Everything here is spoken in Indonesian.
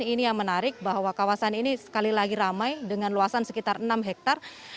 ini yang menarik bahwa kawasan ini sekali lagi ramai dengan luasan sekitar enam hektare